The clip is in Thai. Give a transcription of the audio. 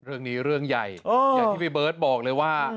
เรื่องใหญ่อย่างที่พี่เบิร์ตบอกเลยว่า